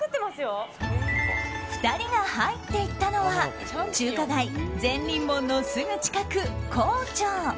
２人が入っていったのは中華街善隣門のすぐ近く、皇朝。